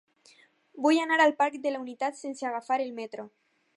Vull anar al parc de la Unitat sense agafar el metro.